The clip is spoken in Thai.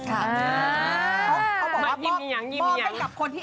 เขาบอกว่ามอบให้กับคนที่แอบชอบแล้วเขาหันมาทางนี้